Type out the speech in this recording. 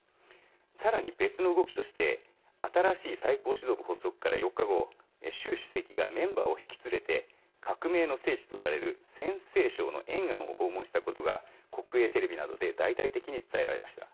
さらに別の動きとして新しい最高指導部発足から４日後習主席がメンバーを引き連れて革命の聖地とされる陝西省の延安を訪問したことが国営テレビなどで大々的に伝えられました。